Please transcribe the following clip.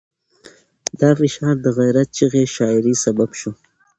دا فشار د غیرت چغې شاعرۍ سبب شو.